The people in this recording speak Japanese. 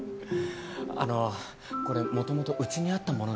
あのこれもともとうちにあったものなんです。